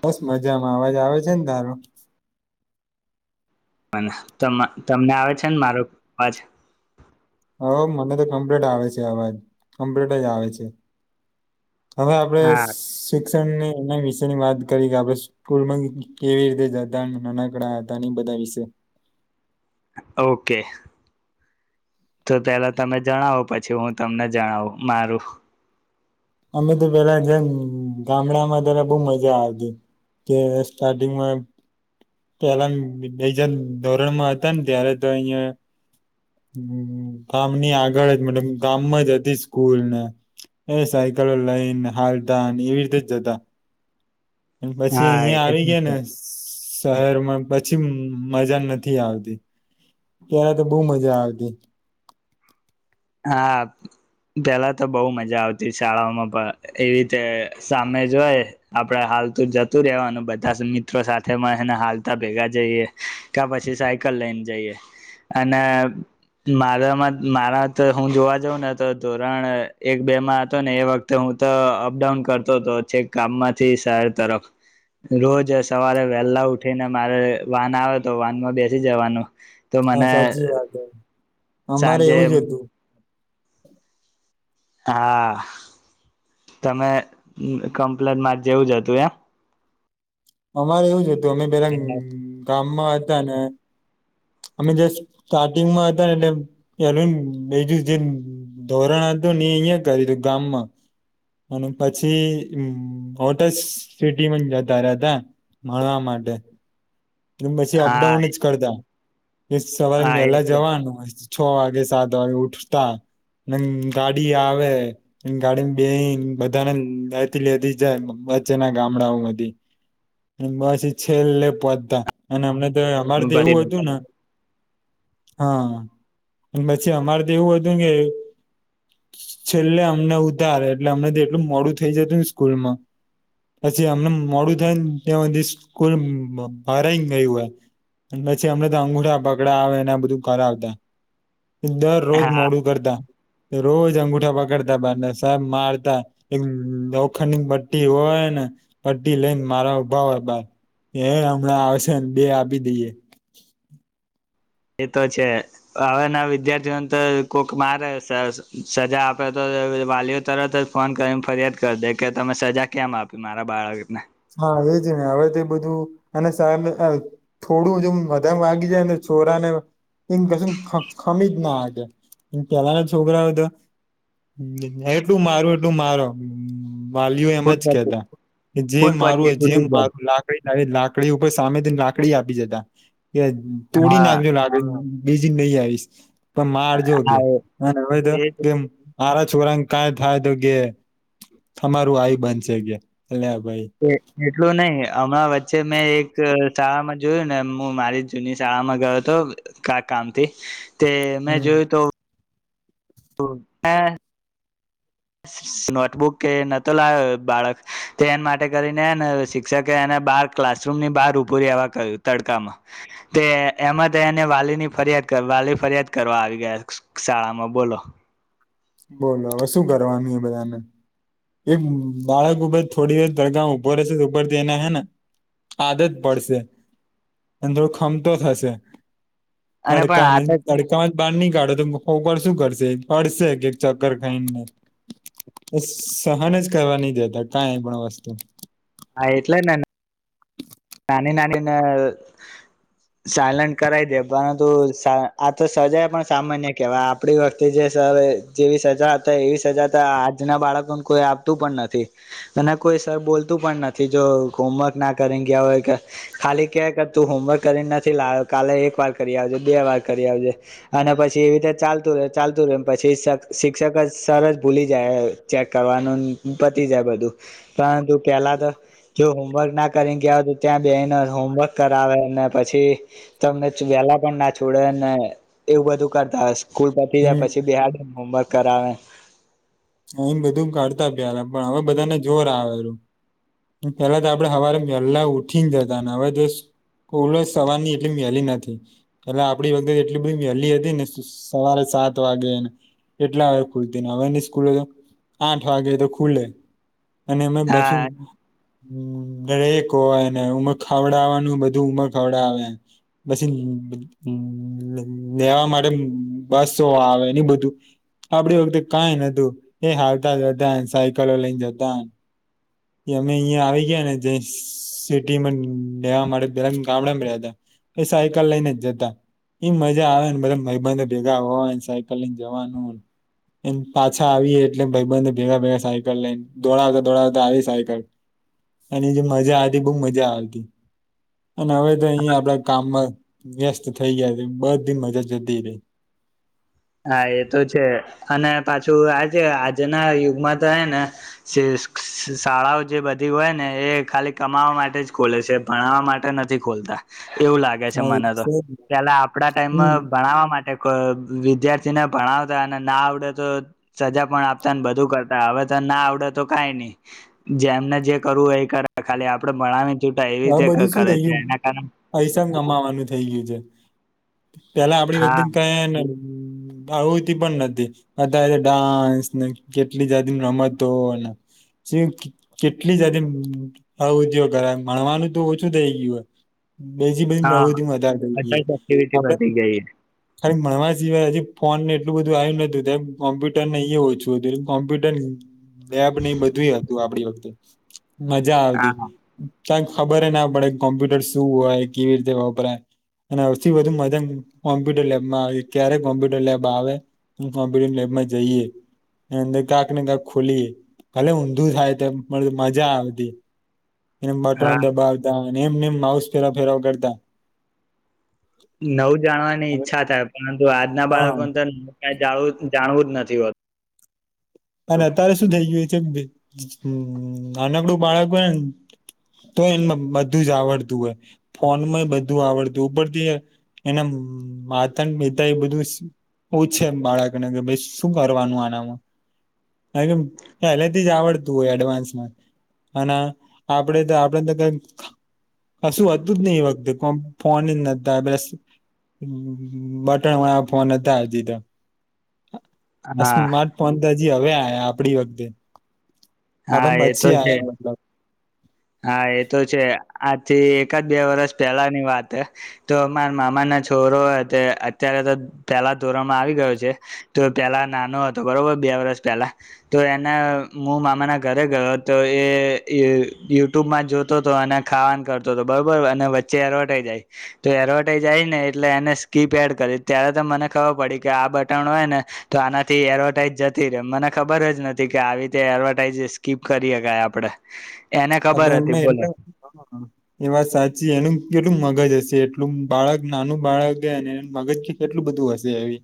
બસ મજામાં. અવાજ આવે છે ને તારો? અન તમા તમને આવે છે ને મારો આજ? હો મને તો કમ્પ્લીટ આવે છે અવાજ, કમ્પ્લીટ જ આવે છે. હવે આપડે હા સિક્સ શિક્ણ ને એના વિશેની વાત કરી કે આપણે સ્કૂલમાં કેવી રીતે જતા નાનકડા હતા એ બધા વિશે. ઓકે. તો પેલા તમે જણાવો પછી હું તમને જણાવું મારું. અમે તો પેલા જે ગામડામાં તારા બહું મજા આવતી કે સ્ટાર્ટિંગમાં પેલા બે જ ધોરણમાં હતા ને ત્યારે તો અહિયાં હમ્મ ગામની આગળ જ મતલબ ગામમાં જ હતી સ્કૂલ ને એ સાયકલ લઈને હાલ તા ને એવી રીતે જ જતા. પન પછી હા અઈયાં એ આવી ગયા ને શહેરમાં પછી મજા નથી આવતી ત્યારે તો બો મજા આવતી હા પેલા તો બઉ મજા આવતી શાળાઓમાં પણ એવી રીતે સામે જોયે આપડે હાલતું જતું રેવાનું બધા સ મિત્રો સાથેને મહેને હાલતા ભેગા જઈએ કાં પછી સાયકલ લઈને જઈએ અને મારામાં મારા ત હું જોવા જઉં ને તો ધોરણ અ એક બે માં અતો ને એ વખતે હું તો અપડાઉન કરતો તો છેક ગામમાંથી શેહર તરફ રોજ સવારે વેલ્લા ઉઠીને મારે વાન આવે તો વાનમાં બેસી જવાનું તો હા મને સાચી વાત હે અમારે સાંજે એવું જ અતું આહ તમે કમ્પ્લેન માર જેવું જ અતુ એમ અમારે એવું જ અ તો અમે પેલા એમ કામમાં હતા ને અમે સ્ટાર્ટિંગમાં હતા ને એટલે પેલું બીજું જે ધોરણ હતું ને એ અહયા કરું ગામમાં અને પછી હોટ સિટી જતા રહ્યા હતા મારા માટે પછી હા અપડાઉન જ કરતા એ સવારે હા વેલા એટલે જવાનું છ વાગે સાત વાગે ઉઠતા અને ગાડી આવે ગાડી બેહિં બધાને લતી લેતી જાય વચ્ચેના ગામડાઓમાંથી બસ છેલ્ે પહોચતા અનેમ અમારે તો એવું હત બજું ના હા અને પછી અમારે તો એવું હતુંને કે છેલ્લે અમને ઉતારે એટલે અમને તો એટલું મોડું થઈ જતું ને સ્કૂલમાં પછી અમને મોડું થાયને ત્યાં બધી સ્કૂલ ભરાઈ ગયું હોય અને પ પછી અમને તો અંગૂઠા પકડાવે ને એ બધું કરાવતા દરરોજ હા મોડું કરતા રોજ અંગુઠા પકડતા બાર ને સાહેબ મારતા એક લોખંડ પટ્ટી હોય ને પટ્ટી લઈને મારવા ઊભા હોય બાર એ હમણાં આવશે બે આપી દઈએ એ તો છે હવેના વિદ્યાર્થીઓને તો કોક મારે સજા આપે તો વાલીઓ તરત જ ફોન કરીને ફરિયાદ કરી દે કે તમે સજા કેમ આપી મારા બાળકને હા એજ ને હવે તે બધું અને સા થોડું જેમ વધારે વાગી જાય છોરા ને એ કશ ખમી જ નાે પેલાના છોકરા બધા એટલું મારું એટલું મારો વાલીઓ એમ ફૂટ જ પટ્ટી કેતા જે ફૂટ પરથી મારું જેમ તૂટી જાય મારું લાકડી લ લાકડી સામેથી લકડી આપી જતા એ તોડી નાખજ હા લાગે બેજિંગ નહી આવીશ પણ માર જો કે હા અને હવે તો એ કેમ મારા છોકરાન કઈ થાય તો કે તમારું આઈ બનશે કે એટલે અલ્યા ભાઈ એટલું નય હમણાં વચ્ચે મેં એક શાળામાં જોયું ને હું મારી જૂની શાળામાં ગયો હતો ક કામથી તે મેં હમ જોયું તો તો હા નોટબુક કે નતો લાવ્યો બાળક તે એને માટે કરીનેને શિક્ષકે એને બાર ક્લાસરૂમ ની બહાર ઉભૂ આવવા ક્યું તડકામાં તે એમાં એને વાલીની ફરિયાદ વાલી ફરિયાદ કરવા આવી ગયા શાળામાં બોલો બોલો હવે શું કરવાનું એ બધાને એક બાળક થોડી વાર તડકામાં ઊભો રહેશે ઉપરથી એના હે ને આદત પડશે અને થોડો ખમતો થશે અને પણ આ તડકામાં તો તડકામાં બાર નની કાઢો તોર શું કરશે હડશે ચક્કર ખાઈને એ સહન જ કરવા ન દેતા કઈ એ પણ વસ્તુ હા એટલે ને નાની નાનીને સાયલન્ટ કરાઈ દે પરંતુ આ તો સજા પણ સામાન્ય કેહેવાય આપણી વખતે જે સર જેવી સજા હતા એવી સજા તો આજના બાળકોને કોઈ આપતું પણ નથી અને કોઈ સર બોલતું પણ નથી જો હોમવર્ક ના કરે ખાલી ક કર તું હોમવર્ક કરીને નથી લાવ્યો કાલે એક વાર કરી આવજે બે વાર કરી આવજે અને પછી એવી રીતે ચાલતું રહે ચાલતું રહે પછી શિક્ષક સર જ ભૂલી જાય ચેક કરવાનું પતી જાય બધું પરંતુ પેલા તો જો હોમવર્ક ના કરીને ગયા ત્યાં બેને હોમવર્ક કરાવે ને પછી તમને વેલા પણ ના છોડે ને એવું બધું કરતા સ્કૂલ પતી જાય હમ પછી બહાર હોમવર્ક કરાવ અહી બધું કરતા પલા પણ હવે બધાને જોર આવેલું પેલા તો આપડે સવારે વેલા ઉઠીને જતા ને હવે જો સ્કૂલો સવાર ની એટલી મેહેલી નથી પેલા આપડી વખતે એટલી બધી વહેલી હતી ને સવારે સાત વાગેને એટલા હવે ખુલતી ને હવે ખુલે તો આઠવા ગે તો ખુલ્લે અને અમે પાછું હા હ દરેક હોયને ઉમખ ખવડાવવાનું બધું ઉમ ખવડાવે પછી લ લેવા માટે બસો આવે ન એ બધું આપડી વખતે કાંઈ ન તુ એ હાલતા જતા સાયકલો લઈન જતા એ અમે અઈયા આવી ગયા ને જે સ સિટીમાં લેવા માટે પેલા ગામડામાં રયા તા એ સાયકલ લઈને જ જતા એમ મજા આવેને બધ ભાઈબંધે ભેગા હોય ન સાયકલ લઈને જવાનું પાછા આવીએ એટલે ભઈબંધે ભેગા ભેગા સાયકલ લઈને દોડાવતા દોડાવતા આવીએ સાયકલ અને જે મજા આતી બોઉ મજા આવતી અને અવે તો અઈયા આપડે કામમાં વ્યસ્ત થઇ ગયા છે બધી મજા જતી રઈ. હા એ તો છે. અને પાછું આજે આજના યુગમાં તો હેં ને શ શાળાઓ જે બધી હોય ને એ ખાલી કમાવા માટે જ ખોલે છે ભણાવા માટે નથી ખોલતા એવું લાગે છે હા એ મને તો જ ને. પેલા આપડા હમ ટાઈમમાં ભણાવવા માટે ખ અ દ્યાર્થીને ભણાવતા અને ના આવડે તો સજા પણ આપતા ને બધું કરતા અવે તો ના આવડે તો કાંઈ નઈ જેમને જે કરવું એ કરે ખાલી આપડે ભણાવીને આવ બધું શું થઇ ગયું પૈસા કમાવાનું થઇ ગયું છે. પેલા આપડી વખતે હા કે નલ હમ્મ, આવુતિ પણ નથી. અત્યારે ડાન્સને કેટલી જાતિ રમતો ચે કેટલી જાતિ આવુતિઓ કરા આમ મળવાનું તો ઓછું થઈ ગયું હોય. બીજી બધી હા પ્રવૃતિમાં વધારે થઈ જે એ અધર્સ એક્ટિવિટી આપડે વધી ગઈ છે. ખાલી ભણવા સિવાય હજી ફોન ને એટલું બધું આવ્યું નતું ત કોમ્પ્યુટરને ઓછું હતું કોમ્પ્યુટર લેબ ને બધું હતું આપડી વખતે. મજા આવતી. હા ચા ખબરે ના પડે કોમ્પ્યુટર શું હોય કેવી રીતે વપરાય અને ઓસથી વધુ મજા કોમ્પ્યુટર લેબમાં આવે ક્યારે કોમ્પ્યુટર લેબ આવે કોમ્પ્યુટર લેબમાં જઈએ અંદર કાંક ને કંક ખોલીએ ભલે ઊંધું થાય તો મજા આવતી. ને મટન હા દબાવતા અને એમને એમ માઉસ ફેરા ફેરવ કરતા. નવ જાણવાની હવે ઈચ્છા થાય પણ જો આજના હા બાળકો ને તો [inaudible] જાણવું જ નથી હોત અને અત્યારે શું થઈ ગયું એ જગ બે અમ્મ નાનકડું બાળક હોયને તો એ બધું જ આવડતું હોય ફોનમાં બધું આવડતું હો ઉપરથી એના માતા પિતા એ બધું પૂછે બાળકને કે ભઈ શું કરવાનું આનામાં. કારણ કેમ પહેલેથી જ આવડતું હોય એડવાન્સમાં અને આપડે તો આપડે તો કઈક કશું હતું જ નહી એ વખતે કો ફોન જ નતા પસ બટણ વાળા ફોન હતા હજી તો આ હા સ્માર્ટ ફોન દજ જી હવે આયા આપડી વખતે હા હવેમ એ તો મચી છે આયા મતલબ હા, એ તો છે આથી એકદ બે વરષ પહેલાની વાત હ તો માર મામાના છોરો તે અત્યારે તો પહેલા ધોરણમાં આવી ગયો છે તો પેલા નાનો હતો બરોબર બે વરષ પહેલા તો એને મુ મામાના ઘરે ગયો હતો એ યુટ્યુબ માં જોતો તો અને ખાવાનું કરતો હતો બરોબર અને વચ્ચે એડવર્ટાઈઝ આઇ તો એડવર્ટાઈઝ આઈ ને એટલે એને સ્કીપ એડ કરી ત્યારે તો મને ખબર પડી કે આ બટણ હોય ને તો આનાથી એડવર્ટાઈઝ જતી રહે મને ખબર જ નથી કે આવી રતે એડવર્ટાાઈઝ સ્કીપ કરી હકાય આપણે એને ખબર આપડન હતી એમને, બોલો એટલે એ વાત સાચી એનું કેટલું મગજ હશે એટલું બાળક નાનું બાળક ગ એ મગજ કેટલું બધું હશે એવી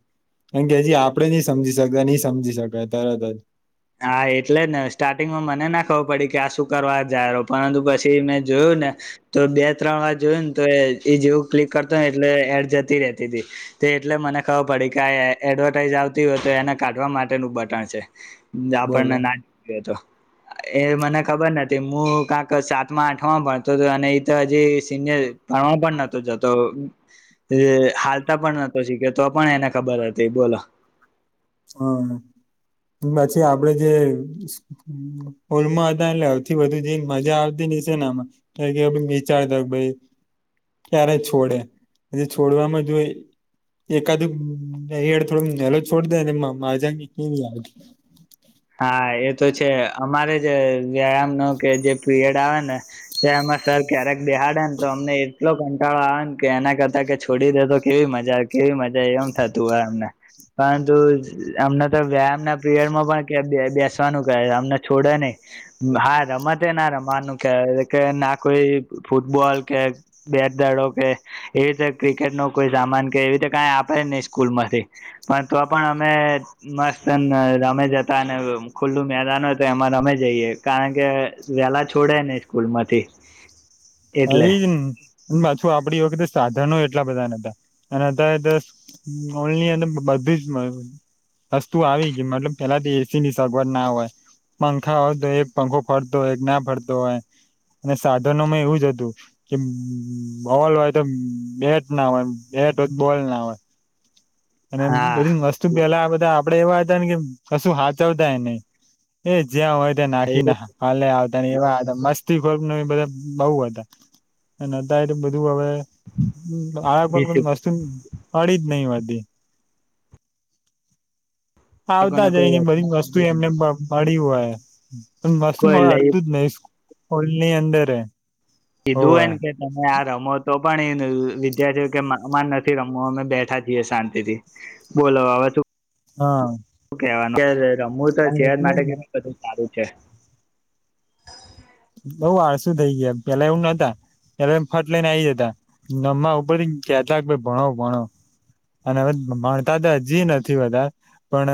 કેમ કે હજી આપડે નહી સમજી શકતા નહી સમજી શકાય તરત જ હા, એટલે ને સ્ટાર્ટિંગમાં મને ના ખબર પડી કે આ શું કરવા જા રહ પરંતુ પછી મેં જોયું ને તો બે, ત્રણ, વાર જોયું ને તો એ જેવું ક્લિક કરતો ને એટલે એડ જતી રહતી હતી તો એટલે મને ખબર પડી કે આ એડવર્ટાઈઝ આવતી હોય તો એને કાઢવા માટેનું બટણ છે આપણને, બોલો ના જોઈઓ તો એ મને ખબર નથી, હું કાંક સાતમાં આઠ ભણતો હતો, અને એ તો હજી સિનિયર ભણવા પણ નતો, જતો હાલતા પણ નતો, શીખ્યો તો પણ એને ખબર હતી, બોલો હમ, પછી આપડે જે હોલમાં હતા, એટલેથી વધુ જે મજા આવતી ની છે, ને આમાં કે વિચારતા ભાઈ ક્યારે છોડે પ છોડવામાં જો એકાદું થોડું, નેલો છોડ માજાને, ક યાદ હા, એ તો છે, અમારે જે વ્યાયામ નો કે જે પીરિયડ આવે, ને તેમાં સર ક્યારેક દહાડે, ને તો અમને એટલો, કંટાળો આવે ને કે એના કરતા કે છોડી દેતો કેવી મજા, કેવી મજા એમ થતું હોય, અમને પરંતુ અમને તો વ્યાયામ ના પીરિયડમાં પણ બેસવાનું કે અમને છોડે નહી, હા, રમતે ના રમાવાનું કે કે ના કોઈ ફૂટબોલ કે બેટ દડો, કે એવી રીતે ક્રિકેટ નો કોઈ સામાન કે એવી રીતે કઈ આપે જ નહી, સ્કૂલમાંથી પણ, તો પણ અમે મસ્ત રમે જતા ખુલ્લું મેદાન હોય, તો એમાં રમે જઈએ કારણ કે વેલા છોડે, નને સ્કૂલ માંથી. હ, એટલે ઈન પાછું આપડી વખ સાધનો એટલા બધા નતા, અને અત્યારેલની અંદર બધી જ વસ્તુ આવી ગ મતલબ પેલાથી એસી ની સગવડના હોય, પંખા હોય, તો એ પંખો ફરતો હોય ના ફરતો હોય, અને સાધનોમાં એવુંજ હતું કે બોલ હોય, તો બેટ ના હોય બેટ હોય, તો બોલ ના હોય અને હા બધી વસ્તુ પેલા આપડે એવા હતા, ને કે કશું હાચવતા એ નને એજ જ્યાં હોય, ત નાખી ના કાલે એવા હતા, મસ્તી ખોક બધા બઉુ હતા, હતા એટ બધું હવે આ પણ વસ્તુ, પડી જ નહીિ વા. બે આવતા શિક્ષકોને જય, ને કોઈ બધી વસ્તુ એમને મળી હોય. હ. મસ, કો કોઈ લઈ અડ ન. હોલ, ની અંદરે. કીધું, એને કે તમે આ રમો તો પણ એ વિદ્યાર્થીઓ કે મા, મા નથી, રમું અમે બેઠા છીએ, શાંતિ થી બોલો હવે તું હા. કહેવાનું રમું, તો છેજ એટલે માટે કે બધું સારુંજ. છે. બઉુ આળસું થઈ, ગયા પેલા એવું નતા પેલા ફટ લઈને, આવી જતા રમવા ઉપર કેતા ભણો ભણો અને હવે ભણતા તો હજી નથી, બા પણ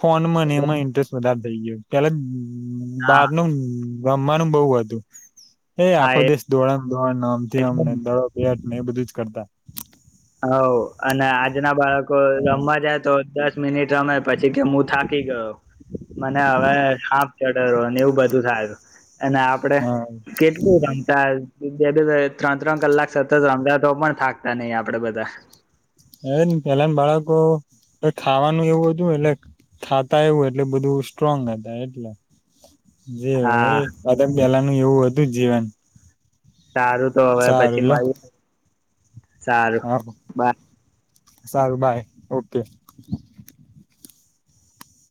ફોન ને એમાં ઇન્ટરેસ્ટ વધારે થઈ, ગયો પેલા હા બારનું રવાનું, બહ હતું. એ આખો દેશ દોડાણ, દોડાણ આમથી હવ આમને, દડો બેટ ને એ બધુંજ કરતા. હ, અને આજના બાળકો રમવા, જાય તો દસ મિનિટ રમે પછી કે હું થાકી ગયો, મને હવે, હાપ ટરો અને એવું, બધું થાય. અને આપડે હા કેટલું રમતા બે, બે, ત્રણ, ત્રણ કલાક સતત રમતા તો પણ થાકતા નહી આપડે આપડ બધા હવેન પેલાન બાળકો ખાવાનું એવું હતું એટલે ખાતા એવું એટલે બધું સ્ટ્રોંગ હતા એટલે જે હોય હા એ [unintelligible] ને એવું હતુ જીવન સારું તો હવે સારું પછી લો મારી સારું, હા બા સારું, બાય, ઓકે